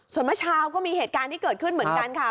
ส่วนเมื่อเช้าก็มีเหตุการณ์ที่เกิดขึ้นเหมือนกันค่ะ